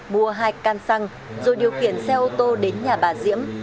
mua hai can xăng rồi điều khiển xe ô tô đến nhà bà diễm